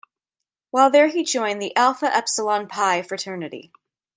While there he joined the Alpha Epsilon Pi fraternity.